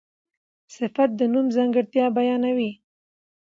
صفت د نوم ځانګړتیا بیانوي.